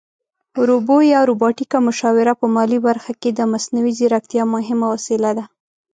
روبو یا روباټیکه مشاوره په مالي برخه کې د مصنوعي ځیرکتیا مهمه وسیله ده